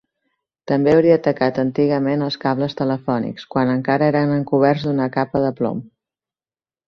També hauria atacat antigament els cables telefònics, quan encara eren encoberts d'una capa de plom.